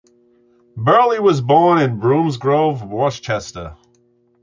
Birley was born in Bromsgrove, Worcestershire.